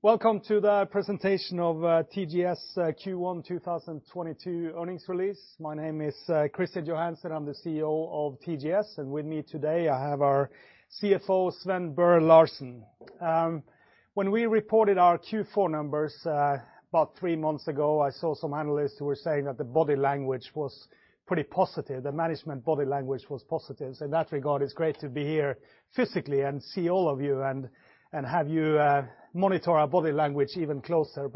Welcome to the presentation of TGS Q1 2022 earnings release. My name is Kristian Johansen. I'm the CEO of TGS, and with me today, I have our CFO, Sven Børre Larsen. When we reported our Q4 numbers about three months ago, I saw some analysts who were saying that the body language was pretty positive, the management body language was positive. In that regard, it's great to be here physically and see all of you and have you monitor our body language even closer.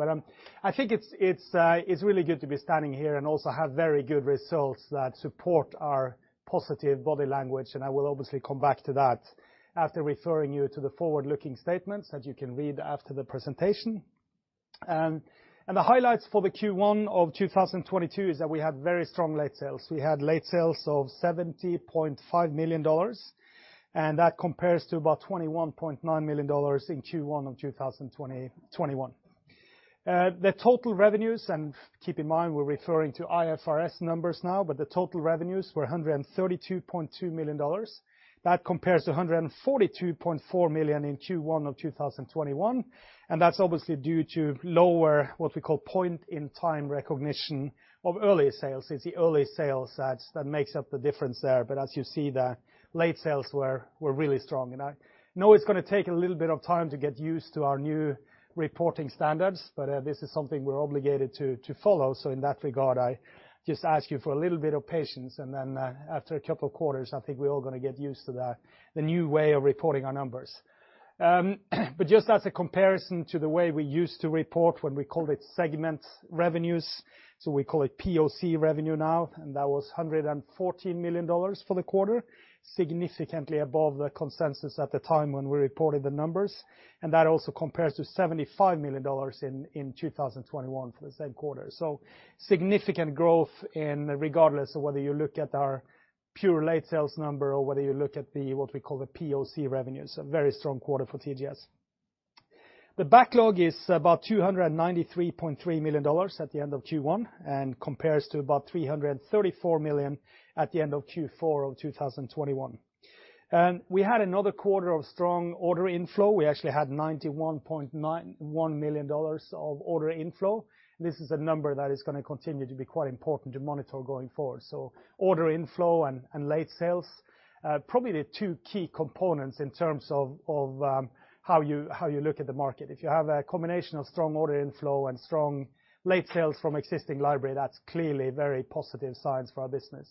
I think it's really good to be standing here and also have very good results that support our positive body language, and I will obviously come back to that after referring you to the forward-looking statements that you can read after the presentation. The highlights for the Q1 of 2022 is that we had very strong late sales. We had late sales of $70.5 million, and that compares to about $21.9 million in Q1 of 2021. The total revenues, and keep in mind, we're referring to IFRS numbers now, but the total revenues were $132.2 million. That compares to $142.4 million in Q1 of 2021, and that's obviously due to lower, what we call point-in-time recognition of earlier sales. It's the early sales that makes up the difference there. As you see, the late sales were really strong. I know it's gonna take a little bit of time to get used to our new reporting standards, but this is something we're obligated to follow. In that regard, I just ask you for a little bit of patience, and then after a couple of quarters, I think we're all gonna get used to the new way of reporting our numbers. Just as a comparison to the way we used to report when we called it segment revenues, we call it POC revenue now, and that was $114 million for the quarter, significantly above the consensus at the time when we reported the numbers, and that also compares to $75 million in 2021 for the same quarter. Significant growth regardless of whether you look at our pure late sales number or whether you look at what we call the POC revenues, a very strong quarter for TGS. The backlog is about $293.3 million at the end of Q1 and compares to about $334 million at the end of Q4 of 2021. We had another quarter of strong order inflow. We actually had $91.91 million of order inflow. This is a number that is gonna continue to be quite important to monitor going forward. Order inflow and late sales probably the two key components in terms of how you look at the market. If you have a combination of strong order inflow and strong late sales from existing library, that's clearly a very positive signs for our business.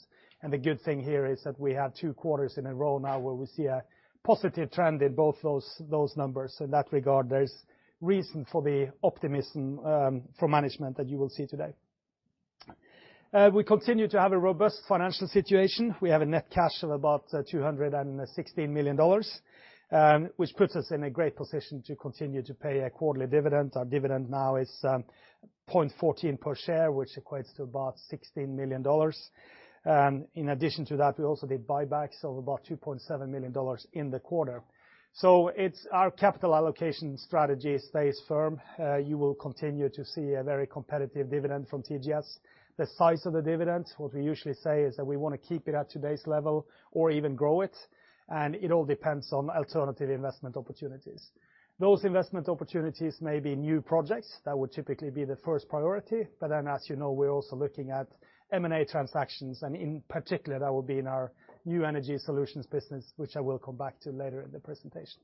The good thing here is that we have two quarters in a row now where we see a positive trend in both those numbers. In that regard, there's reason for the optimism for management that you will see today. We continue to have a robust financial situation. We have a net cash of about $216 million, which puts us in a great position to continue to pay a quarterly dividend. Our dividend now is $0.14 per share, which equates to about $16 million. In addition to that, we also did buybacks of about $2.7 million in the quarter. It's our capital allocation strategy stays firm. You will continue to see a very competitive dividend from TGS. The size of the dividend, what we usually say is that we wanna keep it at today's level or even grow it, and it all depends on alternative investment opportunities. Those investment opportunities may be new projects. That would typically be the first priority. As you know, we're also looking at M&A transactions, and in particular, that will be in our New Energy Solutions business, which I will come back to later in the presentation.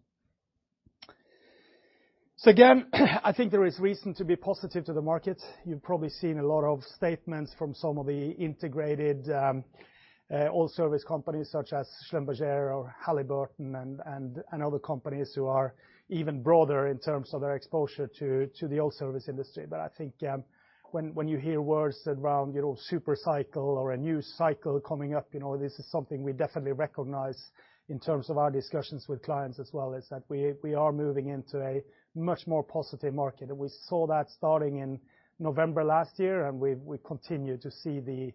Again, I think there is reason to be positive to the market. You've probably seen a lot of statements from some of the integrated oil service companies such as Schlumberger or Halliburton and other companies who are even broader in terms of their exposure to the oil service industry. I think, when you hear words around, you know, super cycle or a new cycle coming up, you know, this is something we definitely recognize in terms of our discussions with clients as well, is that we are moving into a much more positive market. We saw that starting in November last year, and we continue to see the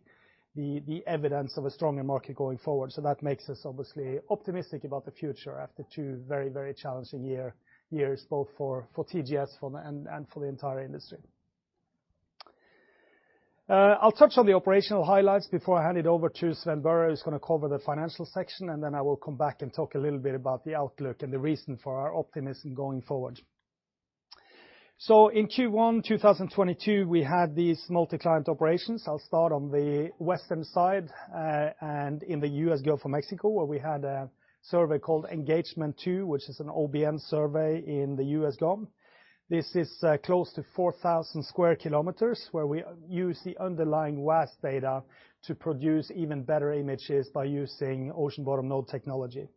evidence of a stronger market going forward. That makes us obviously optimistic about the future after two very challenging years, both for TGS and for the entire industry. I'll touch on the operational highlights before I hand it over to Sven Børre, who's gonna cover the financial section, and then I will come back and talk a little bit about the outlook and the reason for our optimism going forward. In Q1 2022, we had these multi-client operations. I'll start on the western side, and in the U.S. Gulf of Mexico, where we had a survey called Engagement two, which is an OBN survey in the U.S. GoM. This is close to 4,000 square kilometers, where we use the underlying WAZ data to produce even better images by using ocean bottom node technology.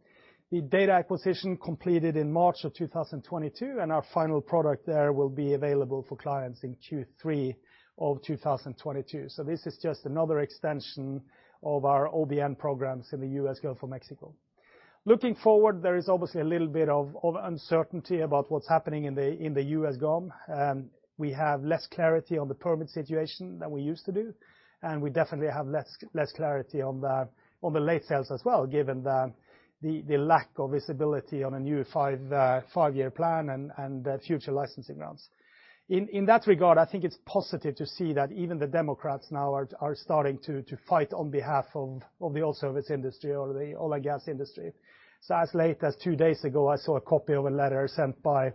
The data acquisition completed in March 2022, and our final product there will be available for clients in Q3 2022. This is just another extension of our OBN programs in the U.S. Gulf of Mexico. Looking forward, there is obviously a little bit of uncertainty about what's happening in the U.S. GoM. We have less clarity on the permit situation than we used to do, and we definitely have less clarity on the lease sales as well, given the lack of visibility on a new five-year plan and future licensing rounds. In that regard, I think it's positive to see that even the Democrats now are starting to fight on behalf of the oil service industry or the oil and gas industry. As late as two days ago, I saw a copy of a letter sent by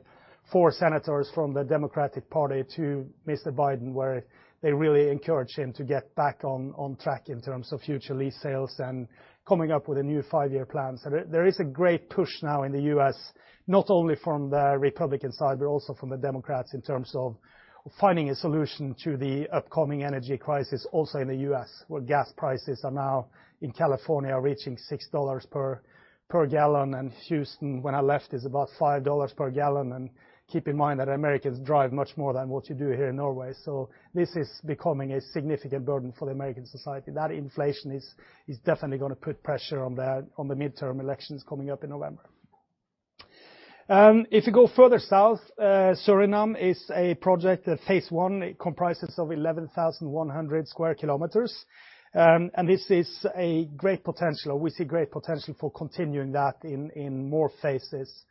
four senators from the Democratic Party to Mr. Biden, where they really encourage him to get back on track in terms of future lease sales and coming up with a new five-year plan. There is a great push now in the U.S., not only from the Republican side, but also from the Democrats in terms of finding a solution to the upcoming energy crisis also in the U.S., where gas prices are now in California reaching $6 per gallon and Houston, when I left, is about $5 per gallon. Keep in mind that Americans drive much more than what you do here in Norway. This is becoming a significant burden for the American society. That inflation is definitely gonna put pressure on the midterm elections coming up in November. If you go further south, Suriname is a project that phase one comprises of 11,100 sq km. This is a great potential or we see great potential for continuing that in more phases.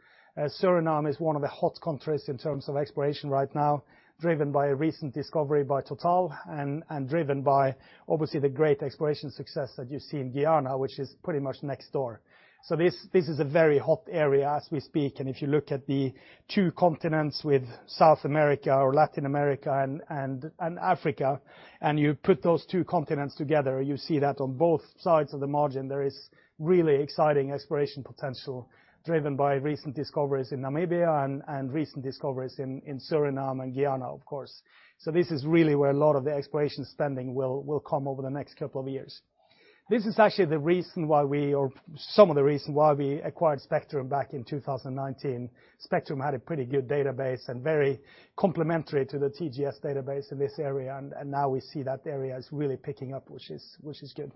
Suriname is one of the hot countries in terms of exploration right now, driven by a recent discovery by Total and driven by obviously the great exploration success that you see in Guyana, which is pretty much next door. This is a very hot area as we speak. If you look at the two continents with South America or Latin America and Africa, and you put those two continents together, you see that on both sides of the margin, there is really exciting exploration potential driven by recent discoveries in Namibia and recent discoveries in Suriname and Guyana, of course. This is really where a lot of the exploration spending will come over the next couple of years. This is actually the reason why we or some of the reason why we acquired Spectrum back in 2019. Spectrum had a pretty good database and very complementary to the TGS database in this area. Now we see that area is really picking up, which is good.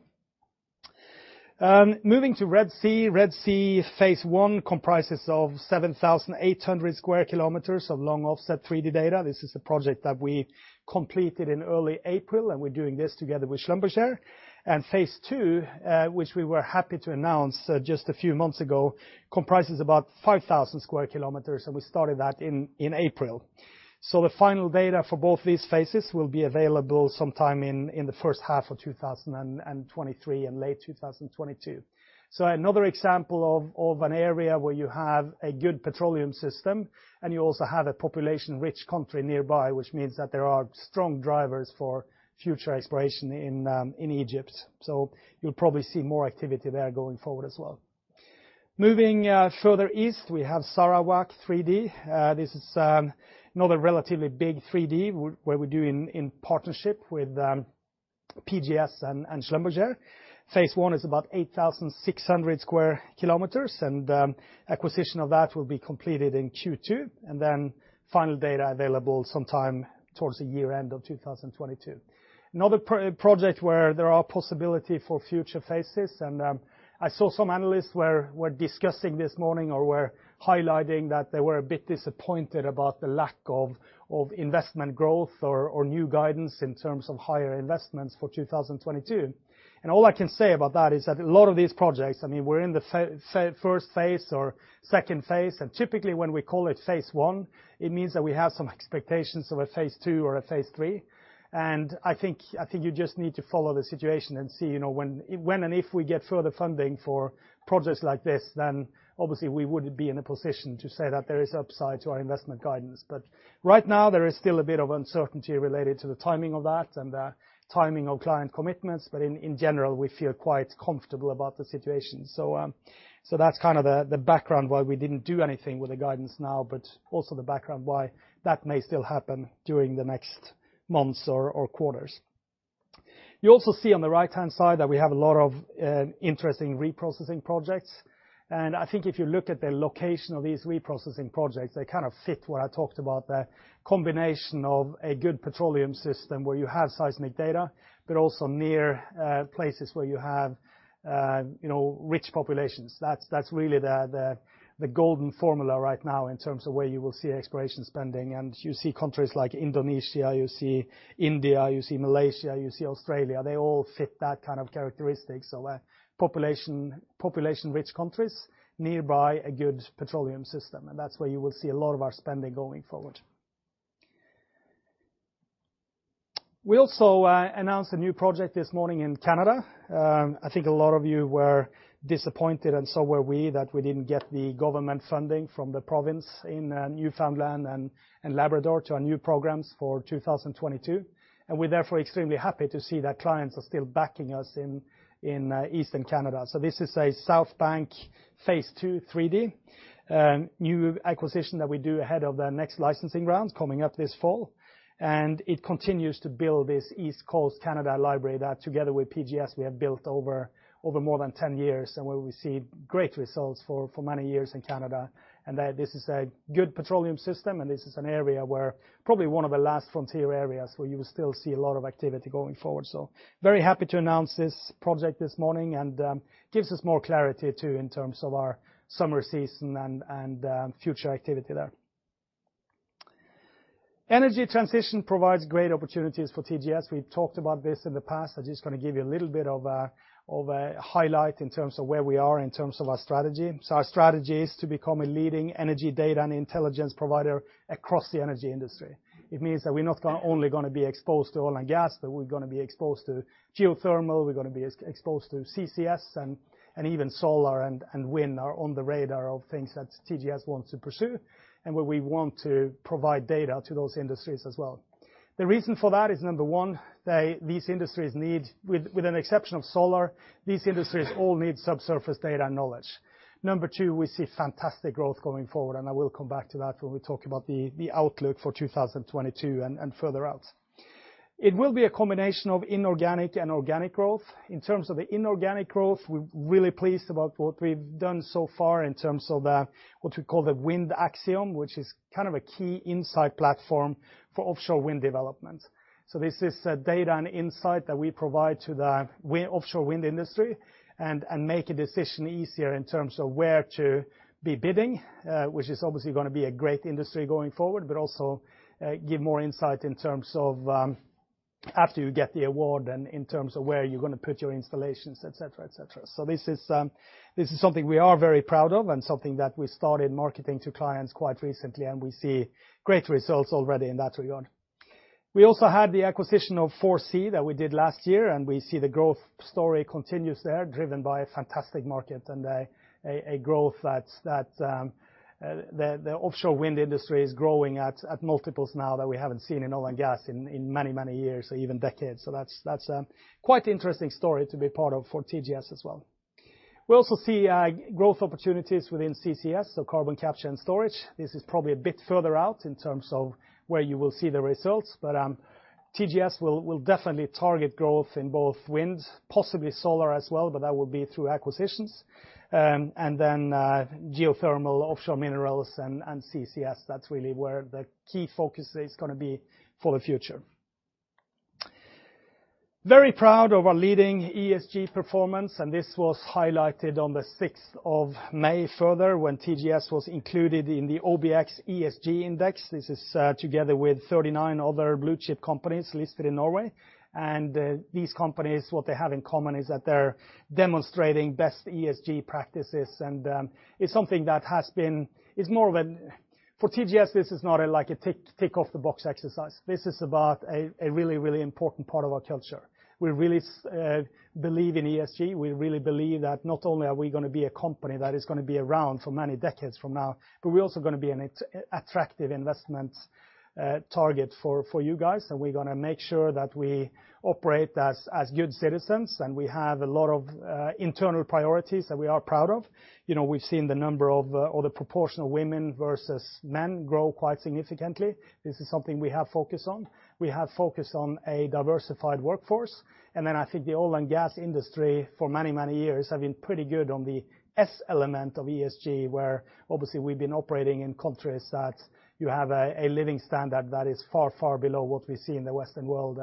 Moving to Red Sea. Red Sea phase I comprises of 7,800 square kilometers of long offset 3D data. This is a project that we completed in early April, and we're doing this together with Schlumberger. Phase II, which we were happy to announce just a few months ago, comprises about 5,000 square kilometers, and we started that in April. The final data for both these phases will be available sometime in the first half of 2023 and late 2022. Another example of an area where you have a good petroleum system and you also have a population-rich country nearby, which means that there are strong drivers for future exploration in Egypt. You'll probably see more activity there going forward as well. Moving further east, we have Sarawak 3D. This is another relatively big 3D where we do in partnership with PGS and Schlumberger. Phase I is about 8,600 square kilometers, and acquisition of that will be completed in Q2, and then final data available sometime towards the year end of 2022. Another project where there are possibilities for future phases. I saw some analysts were discussing this morning or were highlighting that they were a bit disappointed about the lack of investment growth or new guidance in terms of higher investments for 2022. All I can say about that is that a lot of these projects, I mean, we're in the first phase or second phase, and typically when we call it phase I, it means that we have some expectations of a phase II or a phase III. I think you just need to follow the situation and see, you know, when and if we get further funding for projects like this, then obviously we would be in a position to say that there is upside to our investment guidance. Right now, there is still a bit of uncertainty related to the timing of that and the timing of client commitments. In general, we feel quite comfortable about the situation. That's kind of the background why we didn't do anything with the guidance now, but also the background why that may still happen during the next months or quarters. You also see on the right-hand side that we have a lot of interesting reprocessing projects. I think if you look at the location of these reprocessing projects, they kind of fit what I talked about, the combination of a good petroleum system where you have seismic data, but also near places where you have you know, rich populations. That's really the golden formula right now in terms of where you will see exploration spending. You see countries like Indonesia, you see India, you see Malaysia, you see Australia. They all fit that kind of characteristics of population-rich countries nearby a good petroleum system. That's where you will see a lot of our spending going forward. We also announced a new project this morning in Canada. I think a lot of you were disappointed and so were we that we didn't get the government funding from the province in Newfoundland and Labrador to our new programs for 2022. We're therefore extremely happy to see that clients are still backing us in Eastern Canada. This is a South Bank Phase II 3D new acquisition that we do ahead of the next licensing rounds coming up this fall. It continues to build this East Coast Canada library that together with PGS we have built over more than 10 years and where we see great results for many years in Canada. That this is a good petroleum system, and this is an area where probably one of the last frontier areas where you will still see a lot of activity going forward. Very happy to announce this project this morning and gives us more clarity too in terms of our summer season and future activity there. Energy transition provides great opportunities for TGS. We've talked about this in the past. I'm just gonna give you a little bit of a highlight in terms of where we are in terms of our strategy. Our strategy is to become a leading energy data and intelligence provider across the energy industry. It means that we're not only gonna be exposed to oil and gas, but we're gonna be exposed to geothermal, we're gonna be exposed to CCS, and even solar and wind are on the radar of things that TGS wants to pursue, and where we want to provide data to those industries as well. The reason for that is, number one, these industries need, with an exception of solar, these industries all need subsurface data and knowledge. Number two, we see fantastic growth going forward, and I will come back to that when we talk about the outlook for 2022 and further out. It will be a combination of inorganic and organic growth. In terms of the inorganic growth, we're really pleased about what we've done so far in terms of the what we call the Wind AXIOM, which is kind of a key insight platform for offshore wind development. This is data and insight that we provide to the offshore wind industry and make a decision easier in terms of where to be bidding, which is obviously gonna be a great industry going forward, but also give more insight in terms of after you get the award and in terms of where you're gonna put your installations, et cetera. This is something we are very proud of and something that we started marketing to clients quite recently, and we see great results already in that regard. We also had the acquisition of 4C that we did last year, and we see the growth story continues there, driven by a fantastic market and a growth that's. The offshore wind industry is growing at multiples now that we haven't seen in oil and gas in many years or even decades. That's a quite interesting story to be part of for TGS as well. We also see growth opportunities within CCS, so carbon capture and storage. This is probably a bit further out in terms of where you will see the results. TGS will definitely target growth in both wind, possibly solar as well, but that will be through acquisitions. Geothermal, offshore minerals, and CCS, that's really where the key focus is gonna be for the future. Very proud of our leading ESG performance, and this was highlighted on the May 6th further when TGS was included in the OBX ESG Index. This is together with 39 other blue chip companies listed in Norway. These companies, what they have in common is that they're demonstrating best ESG practices. For TGS, this is not like a tick-box exercise. This is about a really important part of our culture. We really believe in ESG. We really believe that not only are we gonna be a company that is gonna be around for many decades from now, but we're also gonna be an attractive investment target for you guys, and we're gonna make sure that we operate as good citizens. We have a lot of internal priorities that we are proud of. You know, we've seen the number of, or the proportion of women versus men grow quite significantly. This is something we have focused on. We have focused on a diversified workforce. Then I think the oil and gas industry for many, many years have been pretty good on the S element of ESG, where obviously we've been operating in countries that you have a living standard that is far, far below what we see in the Western world.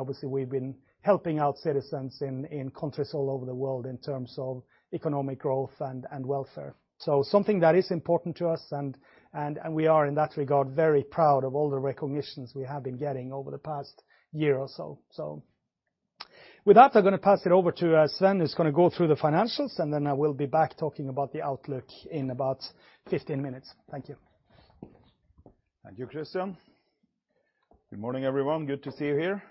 Obviously we've been helping out citizens in countries all over the world in terms of economic growth and welfare. Something that is important to us and we are in that regard very proud of all the recognitions we have been getting over the past year or so. With that, I'm gonna pass it over to Sven, who's gonna go through the financials, and then I will be back talking about the outlook in about 15 minutes. Thank you. Thank you, Kristian. Good morning, everyone. Good to see you here.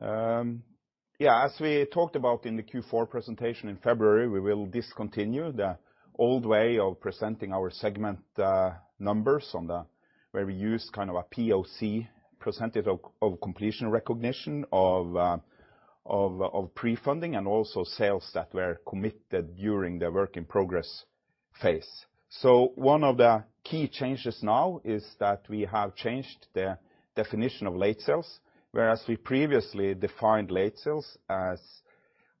Yeah, as we talked about in the Q4 presentation in February, we will discontinue the old way of presenting our segment numbers on the where we use kind of a POC, percentage of completion recognition of prefunding and also sales that were committed during the work in progress phase. One of the key changes now is that we have changed the definition of late sales. Whereas we previously defined late sales as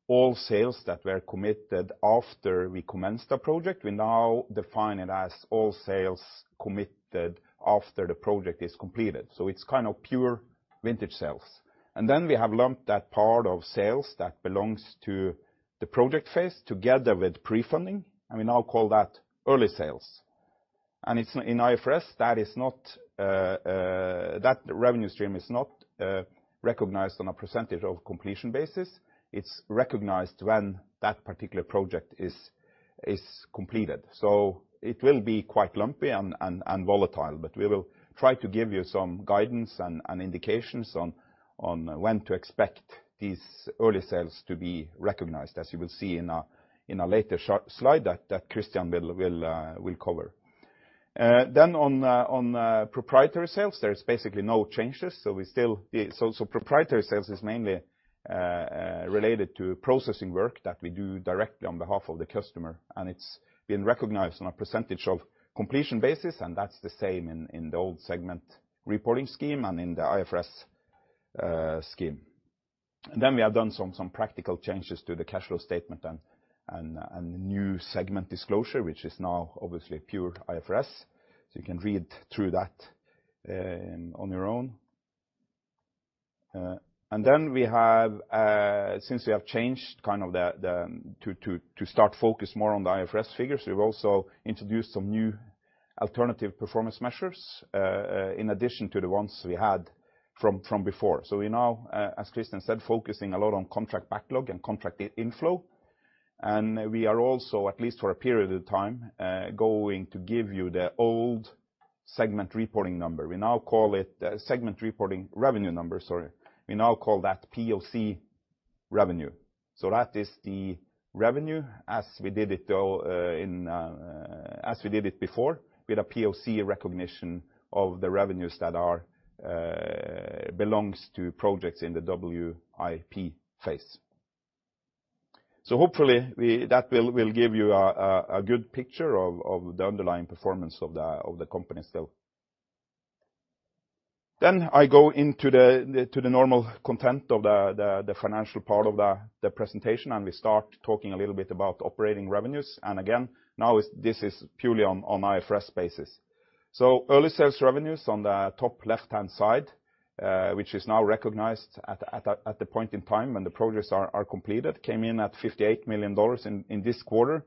all sales that were committed after we commenced the project, we now define it as all sales committed after the project is completed. It's kind of pure vintage sales. Then we have lumped that part of sales that belongs to the project phase together with prefunding, and we now call that early sales. It's not in IFRS, that is, that revenue stream is not recognized on a percentage of completion basis. It's recognized when that particular project is completed. It will be quite lumpy and volatile, but we will try to give you some guidance and indications on when to expect these early sales to be recognized, as you will see in a later slide that Kristian will cover. On proprietary sales, there's basically no changes. Proprietary sales is mainly related to processing work that we do directly on behalf of the customer, and it's been recognized on a percentage of completion basis, and that's the same in the old segment reporting scheme and in the IFRS scheme. We have done some practical changes to the cash flow statement and the new segment disclosure, which is now obviously pure IFRS. You can read through that on your own. Since we have changed to focus more on the IFRS figures, we've also introduced some new alternative performance measures in addition to the ones we had from before. We now, as Kristian said, focusing a lot on contract backlog and contract inflow. We are also, at least for a period of time, going to give you the old segment reporting number. We now call it segment reporting revenue number, sorry. We now call that POC revenue. That is the revenue as we did it. As we did it before with a POC recognition of the revenues that belong to projects in the WIP phase. Hopefully that will give you a good picture of the underlying performance of the company still. I go into the normal content of the financial part of the presentation, and we start talking a little bit about operating revenues. Again, now this is purely on IFRS basis. Early sales revenues on the top left-hand side, which is now recognized at the point in time when the projects are completed, came in at $58 million in this quarter.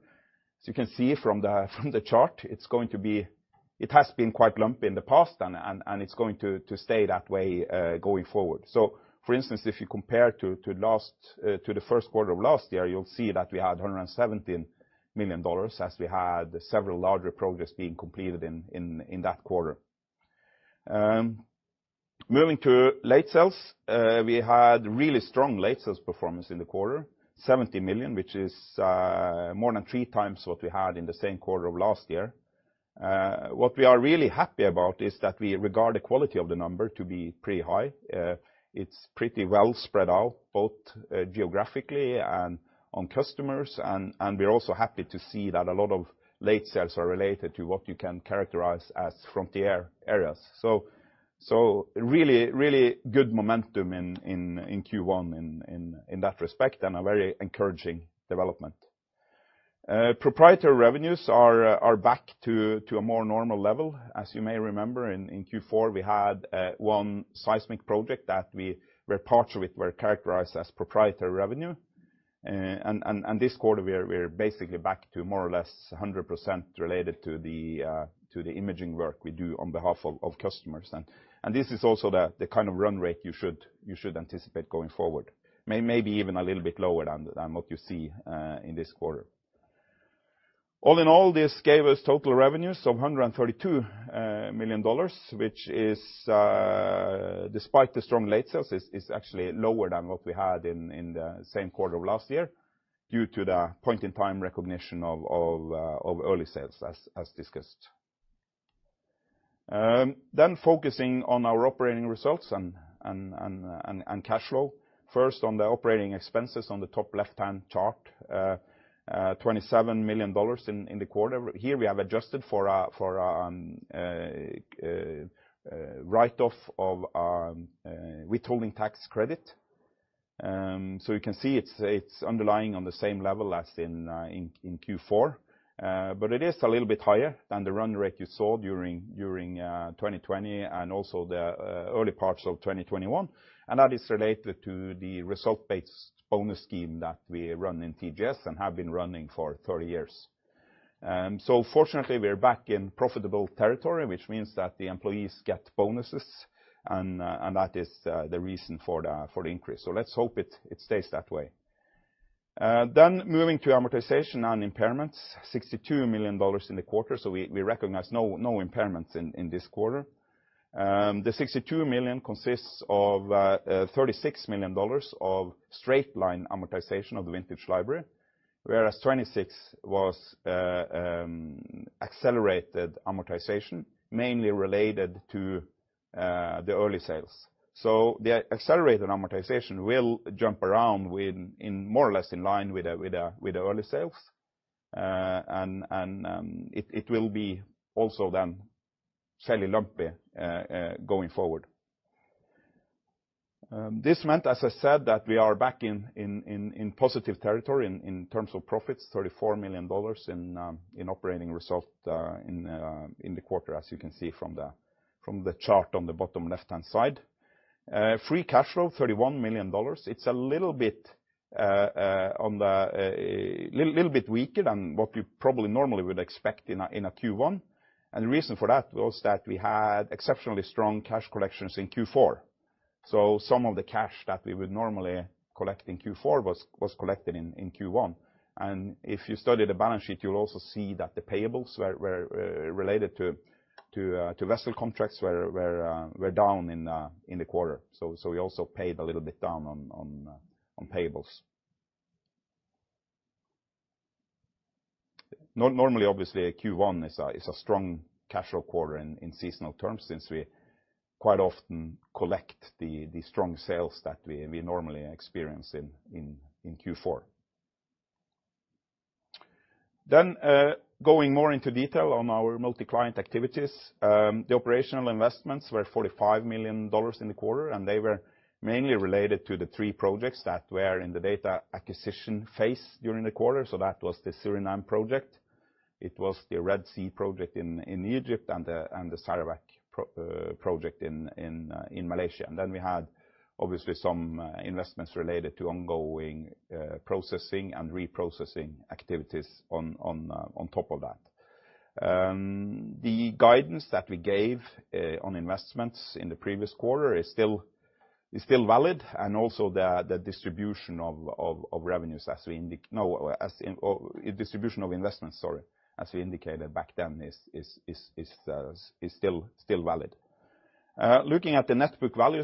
You can see from the chart it's going to be. It has been quite lumpy in the past, and it's going to stay that way going forward. For instance, if you compare to the first quarter of last year, you'll see that we had $117 million, as we had several larger projects being completed in that quarter. Moving to late sales. We had really strong late sales performance in the quarter, $70 million, which is more than three times what we had in the same quarter of last year. What we are really happy about is that we regard the quality of the number to be pretty high. It's pretty well spread out, both geographically and on customers. We're also happy to see that a lot of late sales are related to what you can characterize as frontier areas. Really good momentum in Q1 in that respect, and a very encouraging development. Proprietary revenues are back to a more normal level. As you may remember in Q4, we had one seismic project where parts of it were characterized as proprietary revenue. This quarter, we are basically back to more or less 100% related to the imaging work we do on behalf of customers. This is also the kind of run rate you should anticipate going forward. Maybe even a little bit lower than what you see in this quarter. All in all, this gave us total revenues of $132 million, which is actually lower than what we had in the same quarter of last year due to the point-in-time recognition of early sales as discussed. Focusing on our operating results and cash flow. First, on the operating expenses on the top left-hand chart. $27 million in the quarter. Here we have adjusted for write-off of withholding tax credit. So you can see it's underlying on the same level as in Q4. But it is a little bit higher than the run rate you saw during 2020 and also the early parts of 2021. That is related to the result-based bonus scheme that we run in TGS and have been running for 30 years. Fortunately we are back in profitable territory, which means that the employees get bonuses and that is the reason for the increase. Let's hope it stays that way. Moving to amortization and impairments. $62 million in the quarter, so we recognize no impairments in this quarter. The $62 million consists of $36 million of straight-line amortization of the vintage library, whereas 26 was accelerated amortization, mainly related to the early sales. The accelerated amortization will jump around within, more or less in line with the early sales. It will be also then fairly lumpy going forward. This meant, as I said, that we are back in positive territory in terms of profits, $34 million in operating result in the quarter, as you can see from the chart on the bottom left-hand side. Free cash flow $31 million. It's a little bit weaker than what you probably normally would expect in a Q1. The reason for that was that we had exceptionally strong cash collections in Q4. Some of the cash that we would normally collect in Q4 was collected in Q1. If you study the balance sheet, you'll also see that the payables related to vessel contracts were down in the quarter. We also paid a little bit down on payables. Normally, obviously, Q1 is a strong cash flow quarter in seasonal terms, since we quite often collect the strong sales that we normally experience in Q4. Going more into detail on our multi-client activities. The operational investments were $45 million in the quarter, and they were mainly related to the three projects that were in the data acquisition phase during the quarter. That was the Suriname project. It was the Red Sea project in Egypt and the Sarawak project in Malaysia. We had obviously some investments related to ongoing processing and reprocessing activities on top of that. The guidance that we gave on investments in the previous quarter is still valid, and also the distribution of investments, as we indicated back then, is still valid. Looking at the net book value,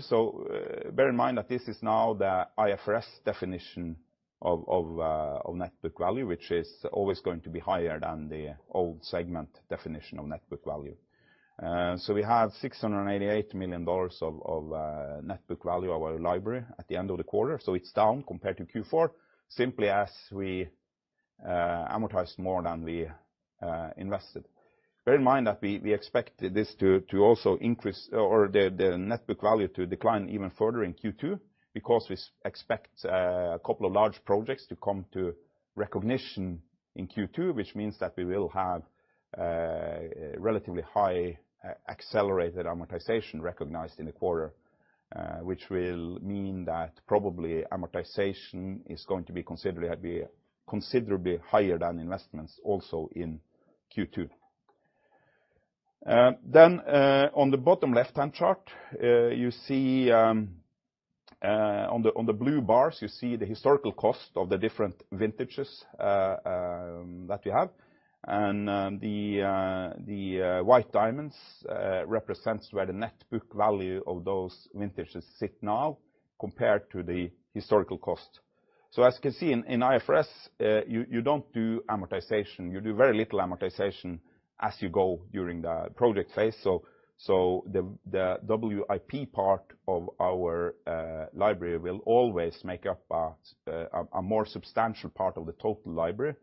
bear in mind that this is now the IFRS definition of net book value, which is always going to be higher than the old segment definition of net book value. We have $688 million of net book value, our library, at the end of the quarter. It's down compared to Q4, simply as we amortized more than we invested. Bear in mind that we expect this to also increase or the net book value to decline even further in Q2, because we expect a couple of large projects to come to recognition in Q2, which means that we will have relatively high accelerated amortization recognized in the quarter, which will mean that probably amortization is going to be considerably higher than investments also in Q2. On the bottom left-hand chart, you see on the blue bars the historical cost of the different vintages that we have. The white diamonds represents where the net book value of those vintages sit now compared to the historical cost. As you can see, in IFRS, you don't do amortization. You do very little amortization as you go during the project phase. The WIP part of our library will always make up a more substantial part of the total library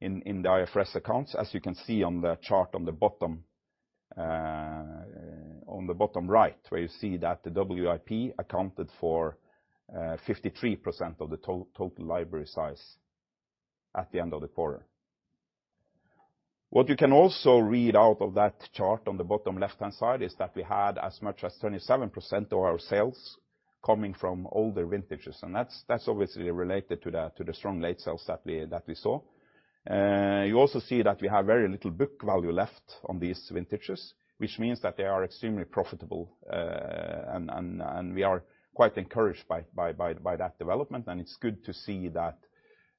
in the IFRS accounts, as you can see on the chart on the bottom right, where you see that the WIP accounted for 53% of the total library size at the end of the quarter. What you can also read out of that chart on the bottom left-hand side is that we had as much as 27% of our sales coming from older vintages, and that's obviously related to the strong late sales that we saw. You also see that we have very little book value left on these vintages, which means that they are extremely profitable. We are quite encouraged by that development, and it's good to see that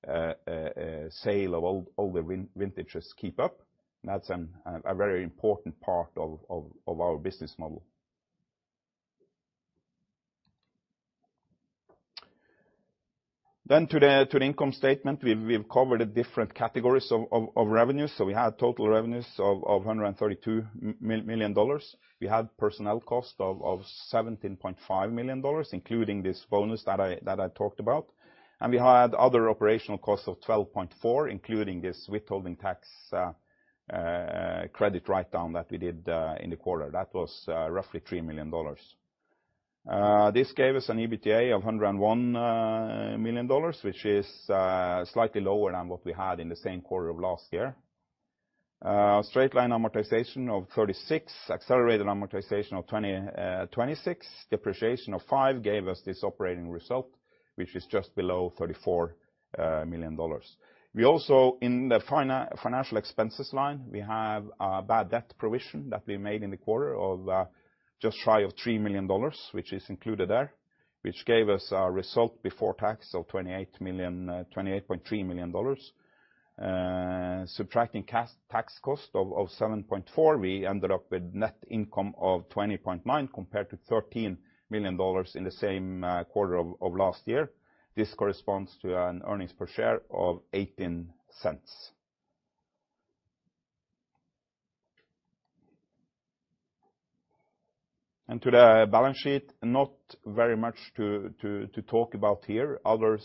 sale of older vintages keep up. That's a very important part of our business model. To the income statement, we've covered the different categories of revenue. We have total revenues of $132 million. We have personnel cost of $17.5 million, including this bonus that I talked about. We had other operational costs of $12.4 million, including this withholding tax credit write-down that we did in the quarter. That was roughly $3 million. This gave us an EBITDA of $101 million, which is slightly lower than what we had in the same quarter of last year. Straight-line amortization of $36 million, accelerated amortization of $26 million, depreciation of $5 million gave us this operating result, which is just below $34 million. We also, in the financial expenses line, have a bad debt provision that we made in the quarter of just shy of $3 million, which is included there, which gave us a result before tax of $28.3 million. Subtracting tax cost of $7.4 million, we ended up with net income of $20.9 million compared to $13 million in the same quarter of last year. This corresponds to an earnings per share of $0.18. To the balance sheet, not very much to talk about here, other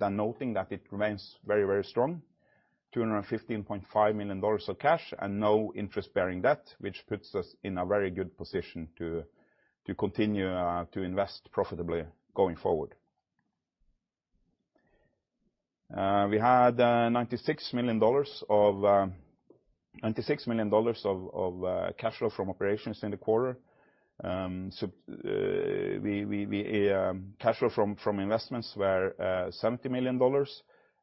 than noting that it remains very strong. $215.5 million of cash and no interest-bearing debt, which puts us in a very good position to continue to invest profitably going forward. We had $96 million of cash flow from operations in the quarter. Cash flow from investments were $70 million,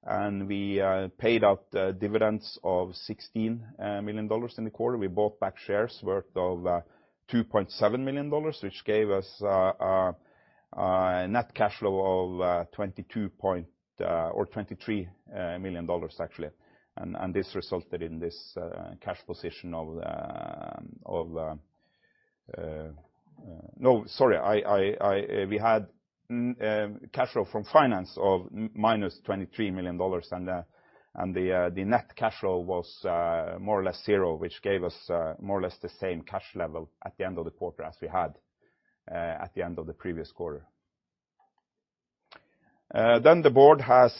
and we paid out dividends of $16 million in the quarter. We bought back shares worth $2.7 million, which gave us a net cash flow of $22 million or $23 million, actually. This resulted in cash flow from finance of -$23 million and the net cash flow was more or less zero, which gave us more or less the same cash level at the end of the quarter as we had at the end of the previous quarter. The board has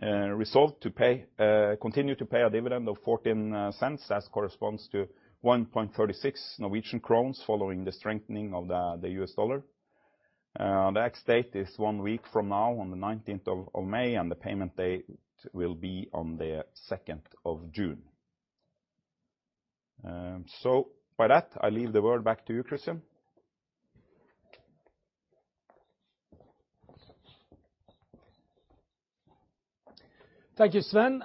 resolved to continue to pay a dividend of $0.14, as corresponds to 1.36 Norwegian crowns following the strengthening of the U.S. dollar. The ex date is one week from now on the nineteenth of May, and the payment date will be on the second of June. By that, I leave the word back to you, Kristian. Thank you, Sven.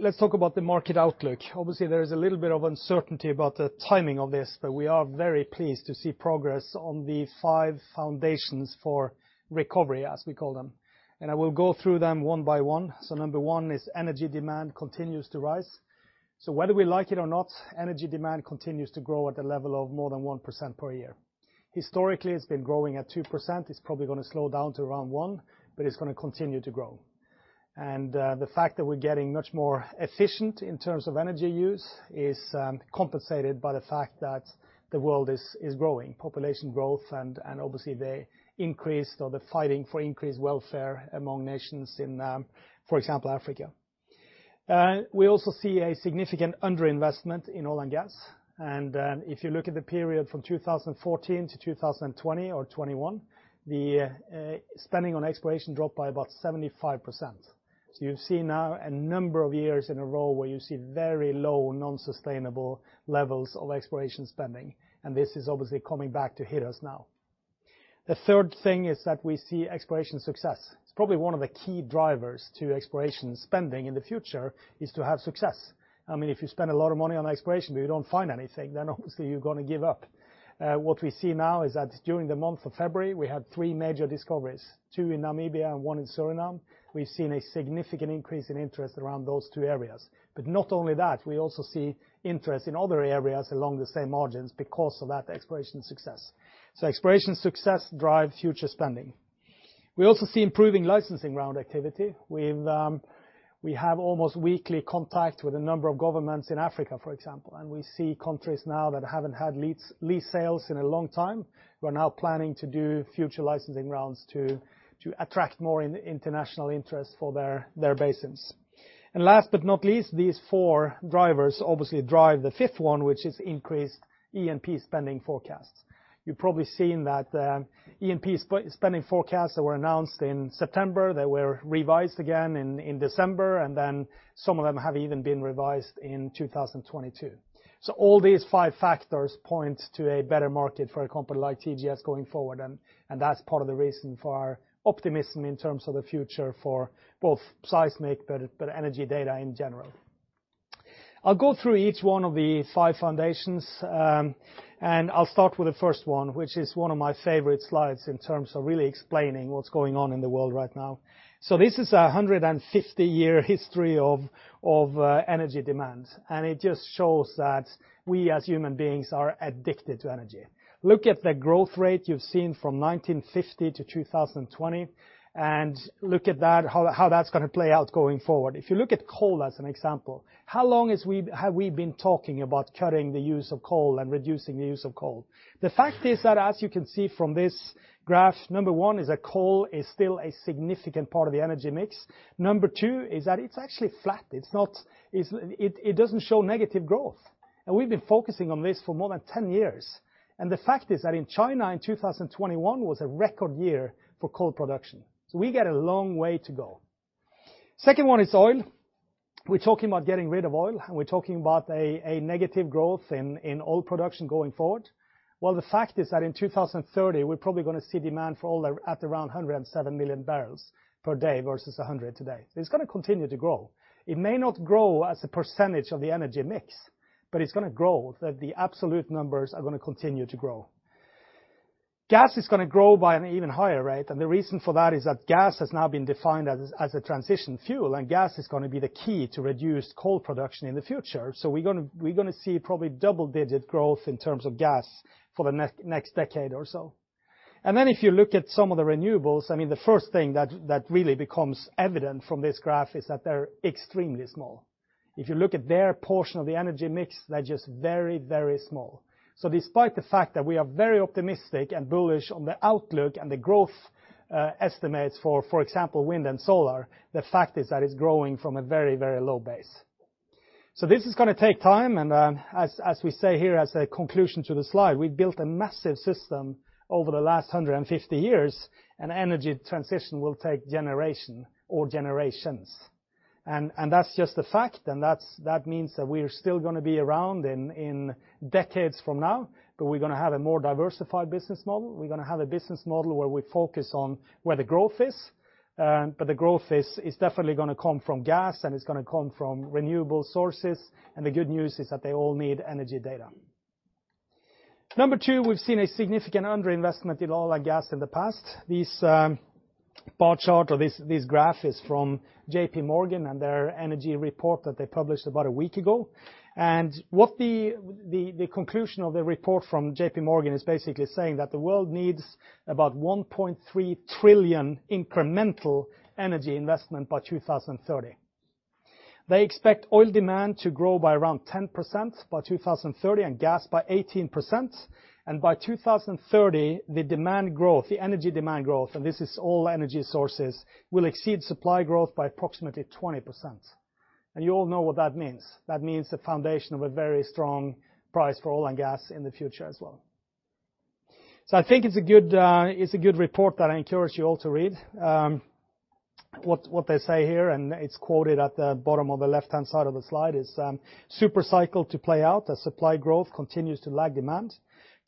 Let's talk about the market outlook. Obviously, there is a little bit of uncertainty about the timing of this, but we are very pleased to see progress on the five foundations for recovery, as we call them. I will go through them one by one. Number one is energy demand continues to rise. Whether we like it or not, energy demand continues to grow at a level of more than 1% per year. Historically, it's been growing at 2%. It's probably gonna slow down to around 1, but it's gonna continue to grow. The fact that we're getting much more efficient in terms of energy use is compensated by the fact that the world is growing, population growth and obviously the increase or the fighting for increased welfare among nations in, for example, Africa. We also see a significant underinvestment in oil and gas. If you look at the period from 2014 to 2020 or 2021, the spending on exploration dropped by about 75%. You've seen now a number of years in a row where you see very low non-sustainable levels of exploration spending, and this is obviously coming back to hit us now. The third thing is that we see exploration success. It's probably one of the key drivers to exploration spending in the future is to have success. I mean, if you spend a lot of money on exploration, but you don't find anything, then obviously you're gonna give up. What we see now is that during the month of February, we had three major discoveries, two in Namibia and one in Suriname. We've seen a significant increase in interest around those two areas. Not only that, we also see interest in other areas along the same margins because of that exploration success. Exploration success drives future spending. We also see improving licensing round activity. We have almost weekly contact with a number of governments in Africa, for example. We see countries now that haven't had lease sales in a long time who are now planning to do future licensing rounds to attract more international interest for their basins. Last but not least, these four drivers obviously drive the fifth one, which is increased E&P spending forecasts. You've probably seen that, E&P spending forecasts that were announced in September, they were revised again in December, and then some of them have even been revised in 2022. All these five factors point to a better market for a company like TGS going forward, and that's part of the reason for our optimism in terms of the future for both seismic but energy data in general. I'll go through each one of the five foundations, and I'll start with the first one, which is one of my favorite slides in terms of really explaining what's going on in the world right now. This is a 150-year history of energy demand, and it just shows that we as human beings are addicted to energy. Look at the growth rate you've seen from 1950 to 2020, and look at that, how that's gonna play out going forward. If you look at coal as an example, how long have we been talking about cutting the use of coal and reducing the use of coal? The fact is that as you can see from this graph, number one is that coal is still a significant part of the energy mix. Number two is that it's actually flat. It's not. It doesn't show negative growth. We've been focusing on this for more than 10 years. The fact is that in China in 2021 was a record year for coal production. We got a long way to go. Second one is oil. We're talking about getting rid of oil, and we're talking about a negative growth in oil production going forward. Well, the fact is that in 2030, we're probably gonna see demand for oil at around 107 million barrels per day versus 100 today. It's gonna continue to grow. It may not grow as a percentage of the energy mix, but it's gonna grow, the absolute numbers are gonna continue to grow. Gas is gonna grow by an even higher rate, and the reason for that is that gas has now been defined as a transition fuel, and gas is gonna be the key to reduce coal production in the future. So we're gonna see probably double-digit growth in terms of gas for the next decade or so. If you look at some of the renewables, I mean, the first thing that really becomes evident from this graph is that they're extremely small. If you look at their portion of the energy mix, they're just very, very small. Despite the fact that we are very optimistic and bullish on the outlook and the growth estimates for example, wind and solar, the fact is that it's growing from a very, very low base. This is gonna take time, and as we say here as a conclusion to the slide, we built a massive system over the last 150 years, and energy transition will take generation or generations. That's just a fact, and that means that we're still gonna be around in decades from now, but we're gonna have a more diversified business model. We're gonna have a business model where we focus on where the growth is, but the growth is definitely gonna come from gas, and it's gonna come from renewable sources. The good news is that they all need energy data. Number two, we've seen a significant underinvestment in oil and gas in the past. This bar chart or this graph is from JPMorgan and their energy report that they published about a week ago. What the conclusion of the report from JPMorgan is basically saying that the world needs about $1.3 trillion incremental energy investment by 2030. They expect oil demand to grow by around 10% by 2030 and gas by 18%. By 2030, the demand growth, the energy demand growth, and this is all energy sources, will exceed supply growth by approximately 20%. You all know what that means. That means the foundation of a very strong price for oil and gas in the future as well. I think it's a good report that I encourage you all to read. What they say here, and it's quoted at the bottom of the left-hand side of the slide, is, "Super cycle to play out as supply growth continues to lag demand.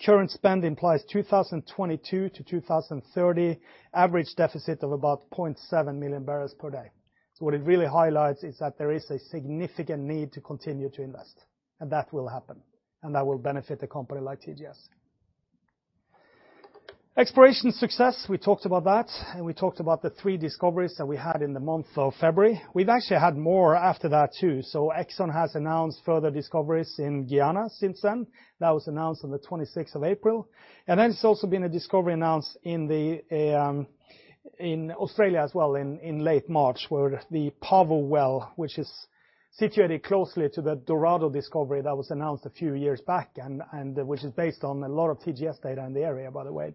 Current spend implies 2022 to 2030 average deficit of about 0.7 million barrels per day." What it really highlights is that there is a significant need to continue to invest, and that will happen, and that will benefit a company like TGS. Exploration success, we talked about that, and we talked about the three discoveries that we had in the month of February. We've actually had more after that too. ExxonMobil has announced further discoveries in Guyana since then. That was announced on April 26th. There's also been a discovery announced in the in Australia as well in late March, where the Pavo well, which is situated closely to the Dorado discovery that was announced a few years back and which is based on a lot of TGS data in the area, by the way.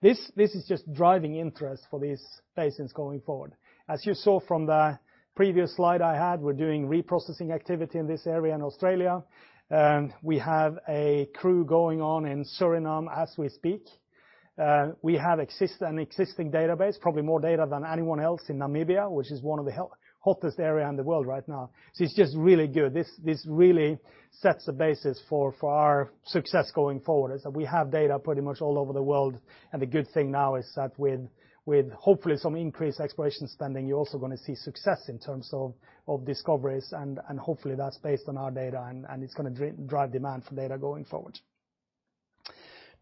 This is just driving interest for these basins going forward. As you saw from the previous slide I had, we're doing reprocessing activity in this area in Australia. We have a crew going on in Suriname as we speak. We have an existing database, probably more data than anyone else in Namibia, which is one of the hottest areas in the world right now. It's just really good. This really sets the basis for our success going forward. We have data pretty much all over the world, and the good thing now is that with hopefully some increased exploration spending, you're also gonna see success in terms of discoveries and hopefully that's based on our data and it's gonna drive demand for data going forward.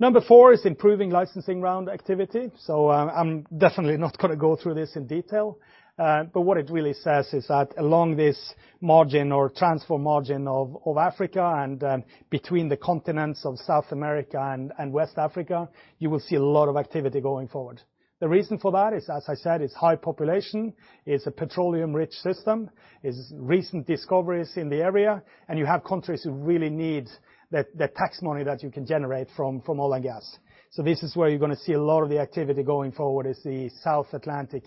Number four is improving licensing round activity, so I'm definitely not gonna go through this in detail. What it really says is that along this margin or transform margin of Africa and between the continents of South America and West Africa, you will see a lot of activity going forward. The reason for that is, as I said, it's high population, it's a petroleum-rich system, it's recent discoveries in the area, and you have countries who really need the tax money that you can generate from oil and gas. This is where you're gonna see a lot of the activity going forward is the South Atlantic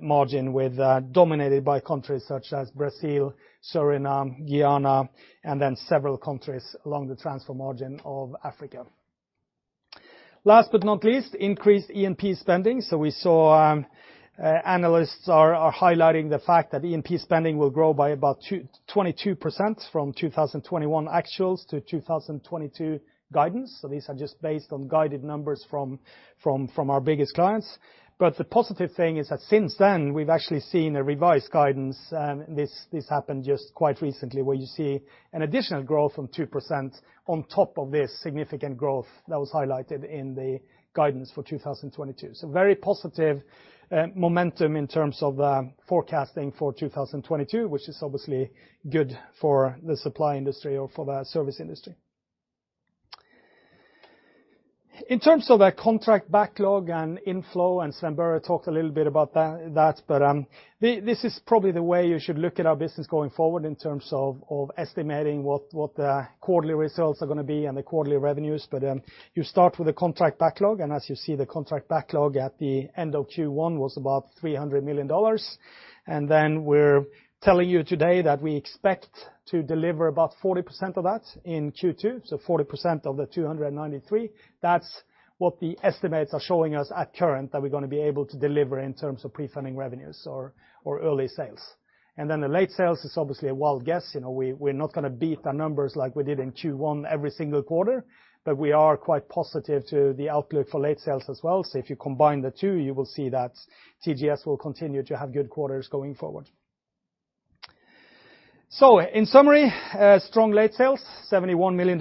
margin with dominated by countries such as Brazil, Suriname, Guyana, and then several countries along the transform margin of Africa. Last but not least, increased E&P spending. We saw analysts are highlighting the fact that E&P spending will grow by about 22% from 2021 actuals to 2022 guidance. These are just based on guided numbers from our biggest clients. The positive thing is that since then, we've actually seen a revised guidance. This happened just quite recently where you see an additional growth from 2% on top of this significant growth that was highlighted in the guidance for 2022. Very positive momentum in terms of forecasting for 2022, which is obviously good for the supply industry or for the service industry. In terms of the contract backlog and inflow, and Sven Børre talked a little bit about that, this is probably the way you should look at our business going forward in terms of estimating what the quarterly results are gonna be and the quarterly revenues. You start with the contract backlog, and as you see, the contract backlog at the end of Q1 was about $300 million. We're telling you today that we expect to deliver about 40% of that in Q2 to 40% of the $293 million. That's what the estimates are showing us currently that we're gonna be able to deliver in terms of prefunding revenues or early sales. The late sales is obviously a wild guess. You know, we're not gonna beat the numbers like we did in Q1 every single quarter, but we are quite positive to the outlook for late sales as well. If you combine the two, you will see that TGS will continue to have good quarters going forward. In summary, strong late sales, $71 million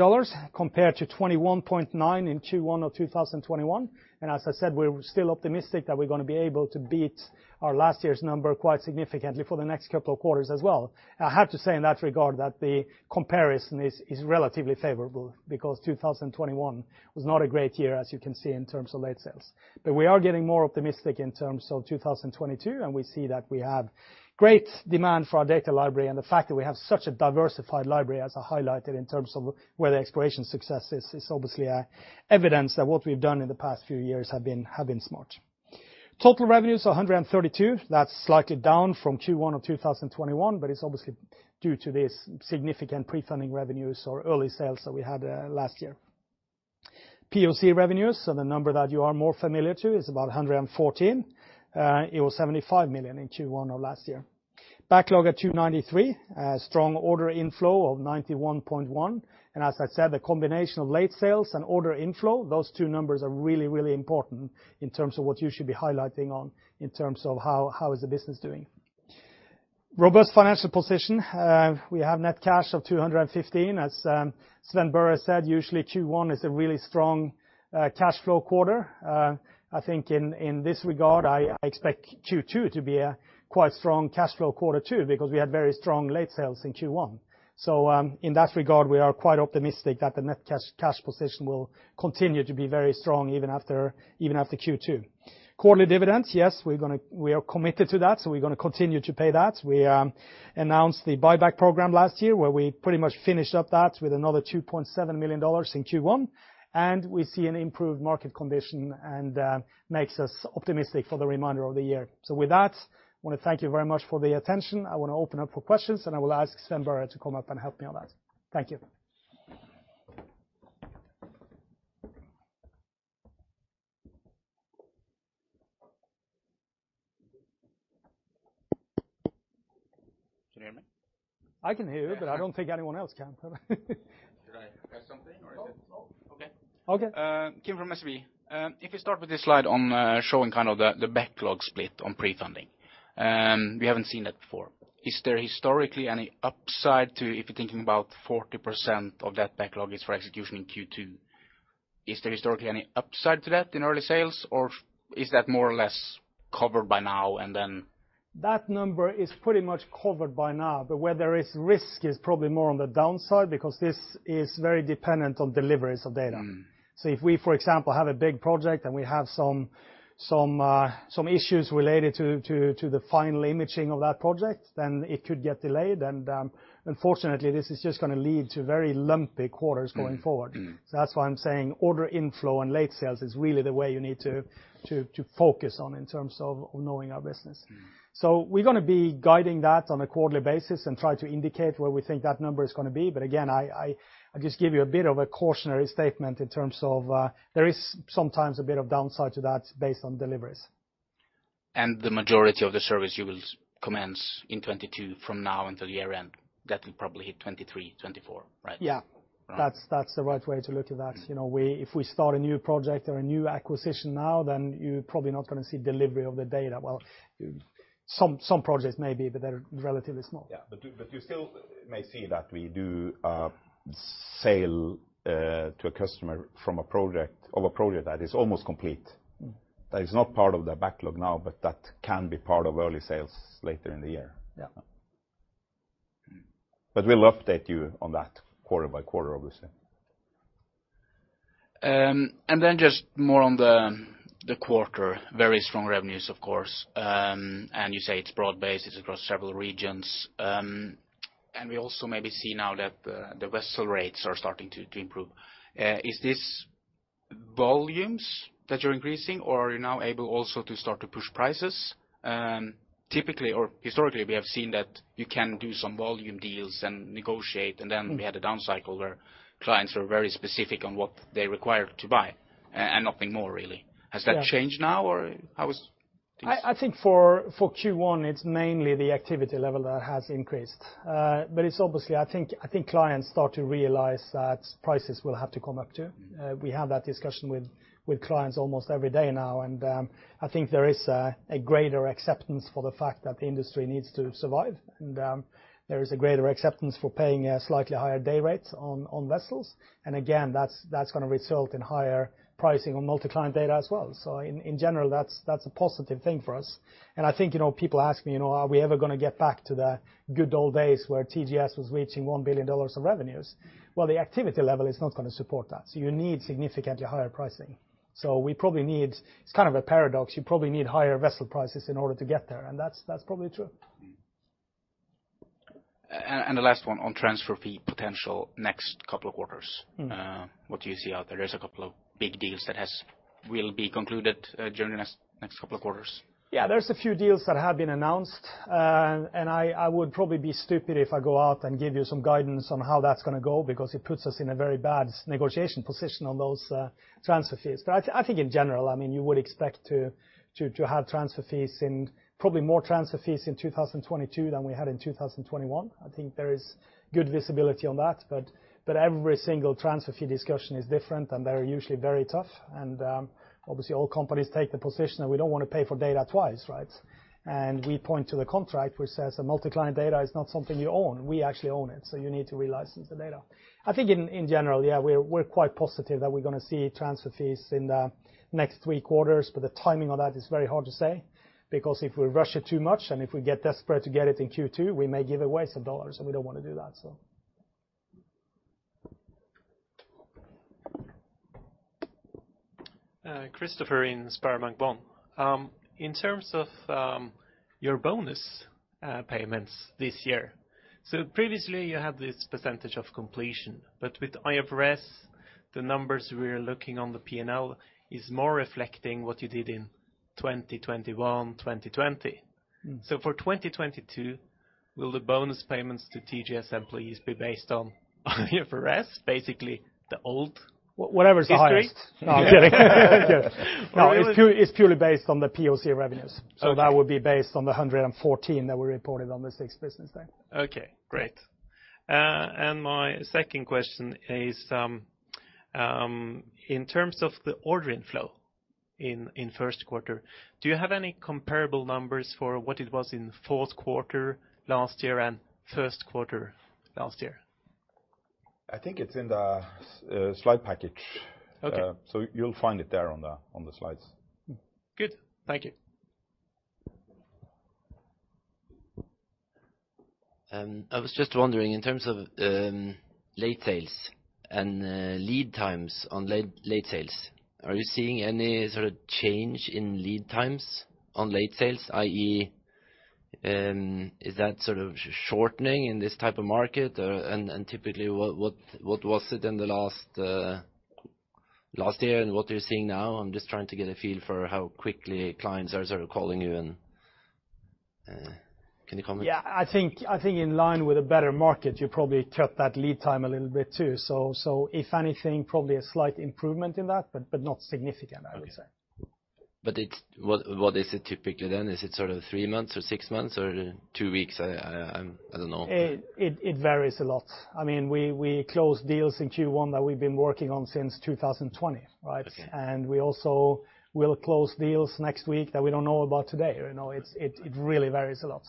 compared to $21.9 million in Q1 of 2021. As I said, we're still optimistic that we're gonna be able to beat our last year's number quite significantly for the next couple of quarters as well. I have to say in that regard that the comparison is relatively favorable because 2021 was not a great year, as you can see, in terms of late sales. We are getting more optimistic in terms of 2022, and we see that we have great demand for our data library and the fact that we have such a diversified library as I highlighted in terms of where the exploration success is obviously evidence that what we've done in the past few years have been smart. Total revenues is $132 million. That's slightly down from Q1 of 2021, but it's obviously due to this significant prefunding revenues or early sales that we had last year. POC revenues, so the number that you are more familiar to, is about $114 million. It was $75 million in Q1 of last year. Backlog at $293 million. Strong order inflow of $91.1 million. As I said, the combination of late sales and order inflow, those two numbers are really important in terms of what you should be highlighting on in terms of how is the business doing. Robust financial position. We have net cash of $215. As Sven Børre said, usually Q1 is a really strong cash flow quarter. I think in this regard, I expect Q2 to be a quite strong cash flow quarter too because we had very strong late sales in Q1. In that regard, we are quite optimistic that the net cash position will continue to be very strong even after Q2. Quarterly dividends, yes, we are committed to that, so we're gonna continue to pay that. We announced the buyback program last year where we pretty much finished up that with another $2.7 million in Q1. We see an improved market condition and makes us optimistic for the remainder of the year. With that, I want to thank you very much for the attention. I want to open up for questions, and I will ask Sven Børre to come up and help me on that. Thank you. Can you hear me? I can hear you, but I don't think anyone else can. Should I press something or is it? No. Okay. Okay. Kim from SEB. If you start with this slide on showing kind of the backlog split on pre-funding, we haven't seen that before. Is there historically any upside to if you're thinking about 40% of that backlog is for execution in Q2, is there historically any upside to that in early sales? Or is that more or less covered by now and then? That number is pretty much covered by now. Where there is risk is probably more on the downside because this is very dependent on deliveries of data. Mm. If we, for example, have a big project and we have some issues related to the final imaging of that project, then it could get delayed. Unfortunately, this is just gonna lead to very lumpy quarters going forward. Mm. Mm. That's why I'm saying order inflow and data sales is really the way you need to focus on in terms of knowing our business. Mm. We're gonna be guiding that on a quarterly basis and try to indicate where we think that number is gonna be. Again, I just give you a bit of a cautionary statement in terms of, there is sometimes a bit of downside to that based on deliveries. The majority of the service you will commence in 2022 from now until the year end, that will probably hit 2023, 2024, right? Yeah. Right. That's the right way to look at that. Mm. You know, if we start a new project or a new acquisition now, then you're probably not gonna see delivery of the data. Well, some projects may be, but they're relatively small. Yeah. You still may see that we do sales to a customer from a project of a project that is almost complete. Mm. That is not part of the backlog now, but that can be part of early sales later in the year. Yeah. We'll update you on that quarter by quarter, obviously. Just more on the quarter. Very strong revenues, of course. You say it's broad-based, it's across several regions. We also maybe see now that the vessel rates are starting to improve. Is this volumes that you're increasing, or are you now able also to start to push prices? Typically or historically, we have seen that you can do some volume deals and negotiate, and then we had a down cycle where clients were very specific on what they required to buy and nothing more really. Yeah. Has that changed now or how is things? I think for Q1, it's mainly the activity level that has increased. It's obviously I think clients start to realize that prices will have to come up too. We have that discussion with clients almost every day now. I think there is a greater acceptance for the fact that the industry needs to survive. There is a greater acceptance for paying a slightly higher day rate on vessels. Again, that's gonna result in higher pricing on multi-client data as well. In general, that's a positive thing for us. I think, you know, people ask me, you know, are we ever gonna get back to the good old days where TGS was reaching $1 billion of revenues? Well, the activity level is not gonna support that, so you need significantly higher pricing. We probably need. It's kind of a paradox. You probably need higher vessel prices in order to get there, and that's probably true. The last one on transfer fee potential next couple of quarters. Mm. What do you see out there? There's a couple of big deals that will be concluded during the next couple of quarters. Yeah, there's a few deals that have been announced. I would probably be stupid if I go out and give you some guidance on how that's gonna go, because it puts us in a very bad negotiation position on those transfer fees. I think in general, I mean, you would expect to have probably more transfer fees in 2022 than we had in 2021. I think there is good visibility on that. Every single transfer fee discussion is different, and they're usually very tough. Obviously all companies take the position that we don't wanna pay for data twice, right? We point to the contract which says that multi-client data is not something you own. We actually own it, so you need to relicense the data. I think in general, yeah, we're quite positive that we're gonna see transfer fees in the next three quarters, but the timing of that is very hard to say. Because if we rush it too much, and if we get desperate to get it in Q2, we may give away some dollars, and we don't wanna do that, so. Christopher in SpareBank 1. In terms of your bonus payments this year. Previously you had this percentage of completion, but with IFRS, the numbers we are looking on the P&L is more reflecting what you did in 2021, 2020. Mm. For 2022, will the bonus payments to TGS employees be based on IFRS, basically the old history? Whatever's highest. No, I'm kidding. No, it's purely based on the POC revenues. Okay. That would be based on the 114 that we reported on the sixth business day. Okay, great. My second question is, in terms of the order inflow in first quarter, do you have any comparable numbers for what it was in fourth quarter last year and first quarter last year? I think it's in the slide package. Okay. You'll find it there on the slides. Good. Thank you. I was just wondering in terms of late sales and lead times on late sales, are you seeing any sort of change in lead times on late sales? i.e., is that sort of shortening in this type of market? Typically, what was it in the last year and what are you seeing now? I'm just trying to get a feel for how quickly clients are sort of calling you and can you comment? Yeah, I think in line with a better market, you probably cut that lead time a little bit too. If anything, probably a slight improvement in that, but not significant, I would say. Okay. What is it typically then? Is it sort of three months or six months or two weeks? I don't know. It varies a lot. I mean, we closed deals in Q1 that we've been working on since 2020, right? Okay. We also will close deals next week that we don't know about today. You know, it really varies a lot.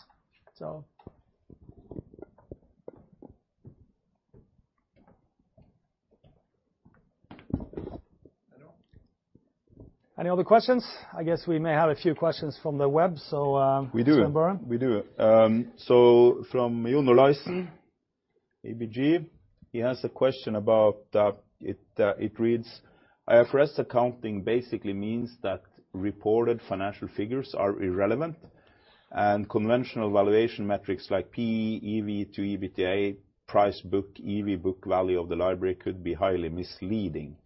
Any other questions? I guess we may have a few questions from the web, so. We do. Sven Børre. We do. So from John Olaisen, ABG, he has a question about it. It reads, IFRS accounting basically means that reported financial figures are irrelevant, and conventional valuation metrics like PE, EV to EBITDA, price book, EV book value of the library could be highly misleading.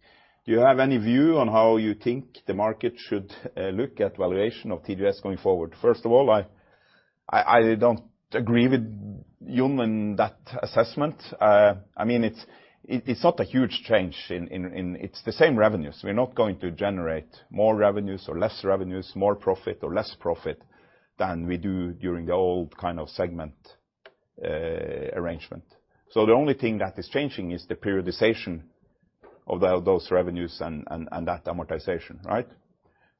Do you have any view on how you think the market should look at valuation of TGS going forward? First of all, I don't agree with John in that assessment. I mean, it's not a huge change. It's the same revenues. We're not going to generate more revenues or less revenues, more profit or less profit than we do during the old kind of segment arrangement. So the only thing that is changing is the periodization of those revenues and that amortization, right?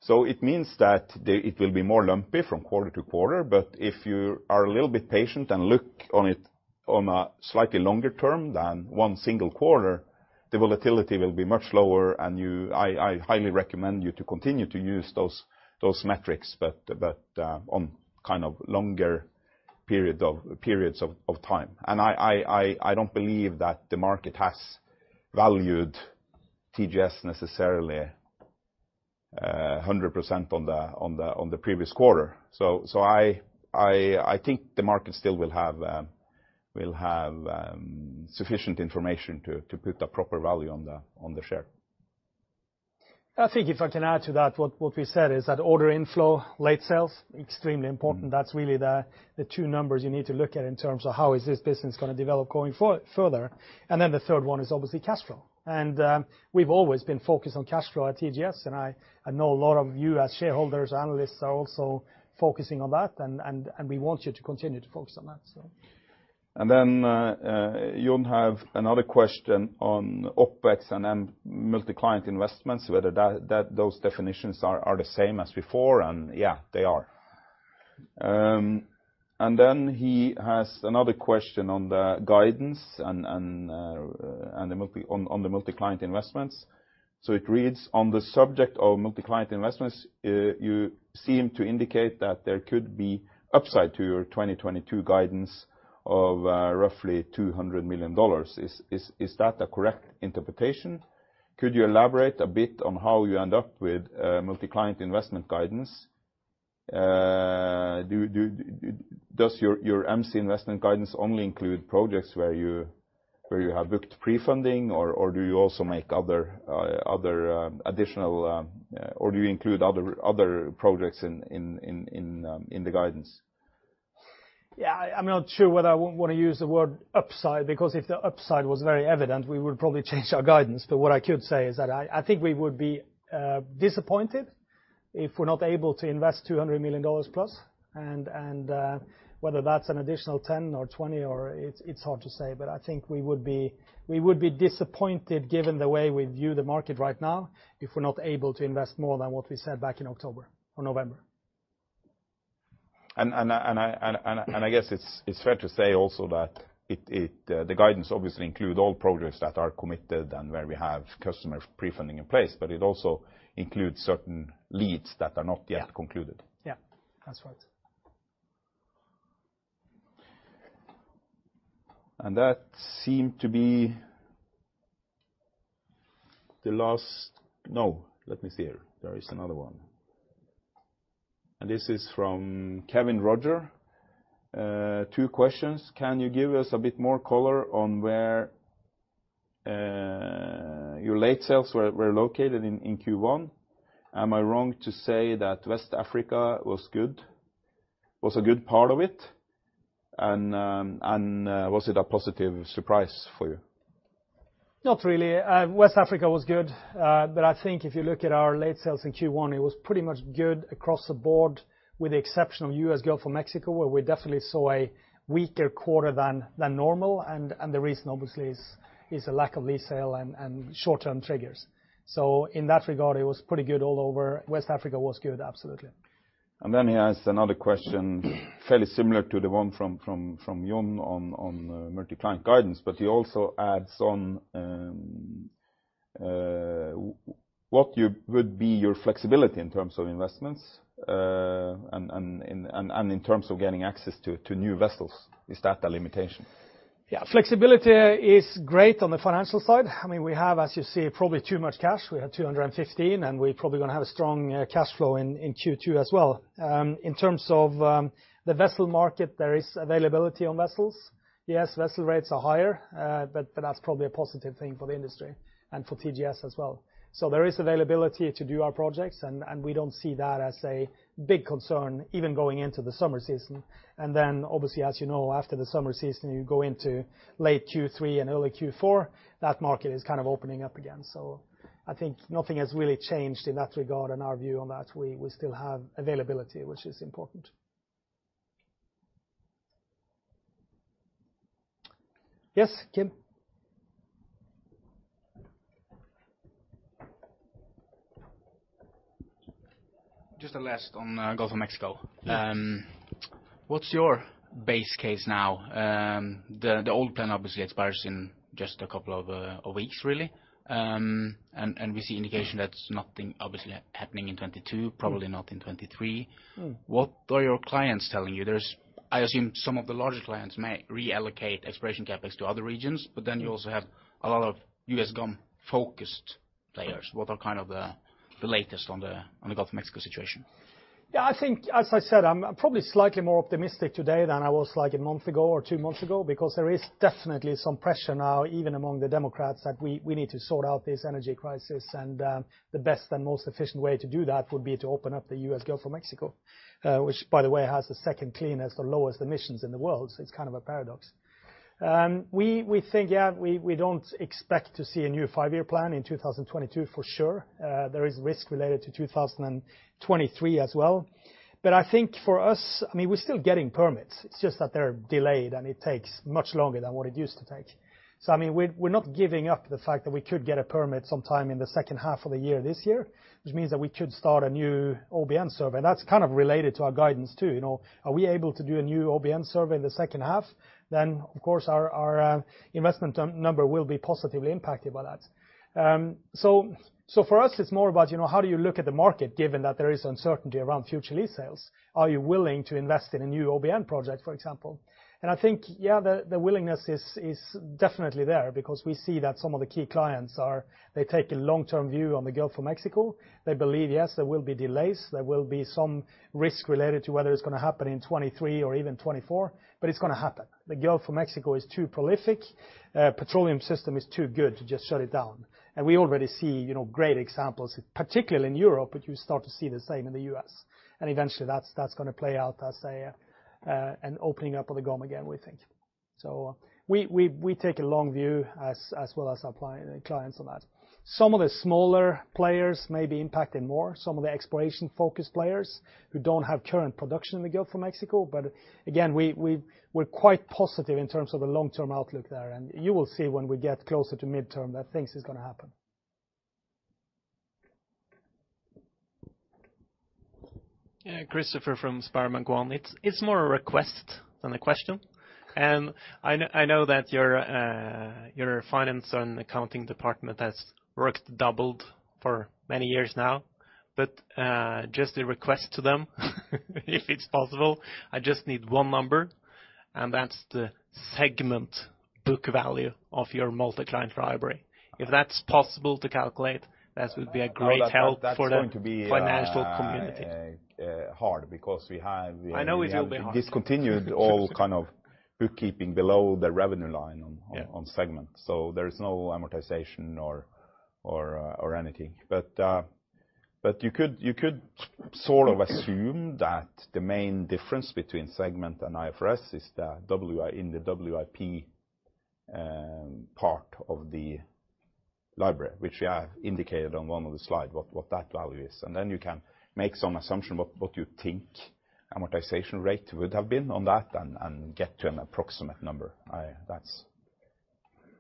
It means that it will be more lumpy from quarter to quarter. If you are a little bit patient and look on it on a slightly longer term than one single quarter, the volatility will be much lower, and I highly recommend you to continue to use those metrics, but on kind of longer periods of time. I don't believe that the market has valued TGS necessarily 100% on the previous quarter. I think the market still will have sufficient information to put a proper value on the share. I think if I can add to that, what we said is that order inflow, data sales extremely important. Mm-hmm. That's really the two numbers you need to look at in terms of how is this business gonna develop going forward. Then the third one is obviously cash flow. We've always been focused on cash flow at TGS, and I know a lot of you as shareholders, analysts are also focusing on that, and we want you to continue to focus on that, so. John Olaisen has another question on OpEx and then multi-client investments, whether those definitions are the same as before. Yeah, they are. He has another question on the guidance and the multi-client investments. It reads, on the subject of multi-client investments, you seem to indicate that there could be upside to your 2022 guidance of roughly $200 million. Is that a correct interpretation? Could you elaborate a bit on how you end up with multi-client investment guidance? Does your MC investment guidance only include projects where you have booked pre-funding or do you also make other additional or do you include other projects in the guidance? Yeah, I'm not sure whether I want to use the word upside, because if the upside was very evident, we would probably change our guidance. What I could say is that I think we would be disappointed if we're not able to invest $200 million plus. Whether that's an additional $10 million or $20 million or. It's hard to say. I think we would be disappointed given the way we view the market right now, if we're not able to invest more than what we said back in October or November. I guess it's fair to say also that it, the guidance obviously include all projects that are committed and where we have customers pre-funding in place, but it also includes certain leads that are not yet concluded. Yeah. Yeah, that's right. There is another one. This is from Kevin Roger. Two questions. Can you give us a bit more color on where your late sales were located in Q1? Am I wrong to say that West Africa was a good part of it? Was it a positive surprise for you? Not really. West Africa was good. I think if you look at our late sales in Q1, it was pretty much good across the board, with the exception of U.S. Gulf of Mexico, where we definitely saw a weaker quarter than normal. The reason obviously is a lack of lease sale and short-term triggers. In that regard, it was pretty good all over. West Africa was good, absolutely. He asks another question fairly similar to the one from John Olaisen on multi-client guidance, but he also adds on what would be your flexibility in terms of investments, and in terms of getting access to new vessels? Is that a limitation? Yeah, flexibility is great on the financial side. I mean, we have, as you see, probably too much cash. We have $215 million, and we're probably gonna have a strong cash flow in Q2 as well. In terms of the vessel market, there is availability on vessels. Yes, vessel rates are higher, but that's probably a positive thing for the industry and for TGS as well. There is availability to do our projects, and we don't see that as a big concern even going into the summer season. Then obviously, as you know, after the summer season, you go into late Q3 and early Q4, that market is kind of opening up again. I think nothing has really changed in that regard and our view on that. We still have availability, which is important. Yes, Kim? Just one last on Gulf of Mexico. Yes. What's your base case now? The old plan obviously expires in just a couple of weeks really. We see indication that's nothing obviously happening in 2022, probably not in 2023. Mm. What are your clients telling you? There's, I assume, some of the larger clients may reallocate exploration CapEx to other regions, but then you also have a lot of US GoM-focused players. What are kind of the latest on the Gulf of Mexico situation? Yeah, I think, as I said, I'm probably slightly more optimistic today than I was like a month ago or two months ago because there is definitely some pressure now even among the Democrats that we need to sort out this energy crisis and the best and most efficient way to do that would be to open up the U.S. Gulf of Mexico, which by the way has the second cleanest or lowest emissions in the world, so it's kind of a paradox. We think we don't expect to see a new five-year plan in 2022 for sure. There is risk related to 2023 as well. I think for us, I mean, we're still getting permits. It's just that they're delayed, and it takes much longer than what it used to take. I mean, we're not giving up the fact that we could get a permit sometime in the second half of the year this year, which means that we could start a new OBN survey. That's kind of related to our guidance too, you know. Are we able to do a new OBN survey in the second half? Of course, our investment number will be positively impacted by that. For us it's more about, you know, how do you look at the market given that there is uncertainty around future lease sales? Are you willing to invest in a new OBN project, for example? I think, yeah, the willingness is definitely there because we see that some of the key clients are. They take a long-term view on the Gulf of Mexico. They believe, yes, there will be delays, there will be some risk related to whether it's gonna happen in 2023 or even 2024, but it's gonna happen. The Gulf of Mexico is too prolific. Petroleum system is too good to just shut it down. We already see, you know, great examples, particularly in Europe, but you start to see the same in the U.S. Eventually that's gonna play out as an opening up of the GoM again, we think. We take a long view as well as our clients on that. Some of the smaller players may be impacted more, some of the exploration-focused players who don't have current production in the Gulf of Mexico. Again, we're quite positive in terms of the long-term outlook there. You will see when we get closer to midterm that things is gonna happen. Yeah, Christopher from SpareBank 1 Markets. It's more a request than a question. I know that your finance and accounting department has worked double for many years now. Just a request to them, if it's possible. I just need one number, and that's the segment book value of your multi-client library. If that's possible to calculate, that would be a great help for the- That's going to be financial community. -hard because we have. I know it will be hard. Discontinued all kind of bookkeeping below the revenue line on segment. Yeah. There is no amortization or anything. You could sort of assume that the main difference between segment and IFRS is the value in the WIP part of the library, which I indicated on one of the slides what that value is. Then you can make some assumption what you think amortization rate would have been on that and get to an approximate number.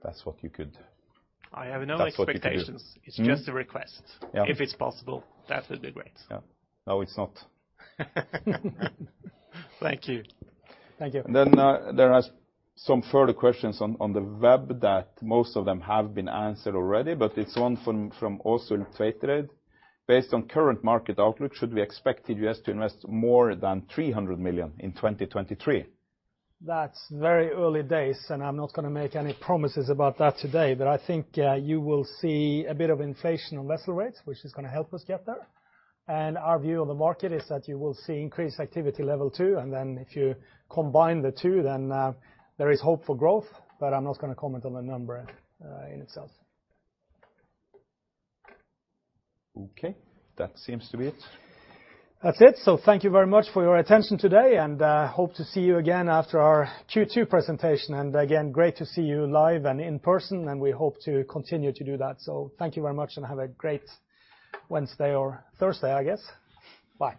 That's what you could. I have no expectations. That's what you could do. It's just a request. Yeah. If it's possible, that would be great. Yeah. No, it's not. Thank you. Thank you. There are some further questions on the web that most of them have been answered already. It's one from also [Trade Red]. Based on current market outlook, should we expect you just to invest more than $300 million in 2023? That's very early days, and I'm not gonna make any promises about that today. I think you will see a bit of inflation on vessel rates, which is gonna help us get there. Our view on the market is that you will see increased activity level too, and then if you combine the two, then there is hope for growth, but I'm not gonna comment on the number in itself. Okay. That seems to be it. That's it. Thank you very much for your attention today, and hope to see you again after our Q2 presentation. Again, great to see you live and in person, and we hope to continue to do that. Thank you very much, and have a great Wednesday or Thursday, I guess. Bye.